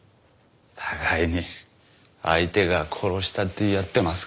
互いに相手が殺したって言い合ってますからね。